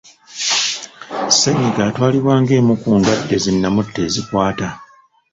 Ssenyiga atawlibwa ng'emu ku ndwadde zinnamutta ezikwata.